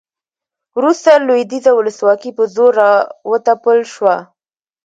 وروسته لویدیځه ولسواکي په زور راوتپل شوه